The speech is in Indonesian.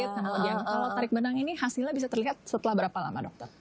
kalau tarik benang ini hasilnya bisa terlihat setelah berapa lama dokter